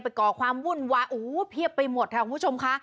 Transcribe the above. ก่อความวุ่นวายโอ้โหเพียบไปหมดค่ะคุณผู้ชมค่ะ